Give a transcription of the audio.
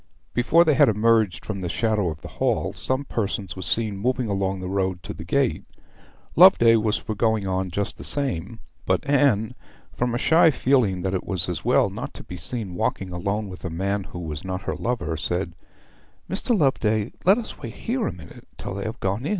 Before they had emerged from the shadow of the hall some persons were seen moving along the road. Loveday was for going on just the same; but Anne, from a shy feeling that it was as well not to be seen walking alone with a man who was not her lover, said 'Mr. Loveday, let us wait here a minute till they have passed.'